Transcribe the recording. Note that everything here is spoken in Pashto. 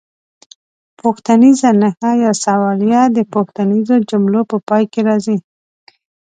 پوښتنیزه نښه یا سوالیه د پوښتنیزو جملو په پای کې راځي.